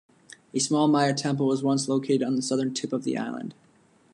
A small Maya temple was once located on the southern tip of the island.